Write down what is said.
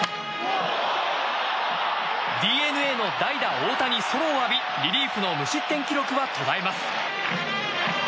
ＤｅＮＡの代打、大田にソロを浴びリリーフの無失点記録は途絶えます。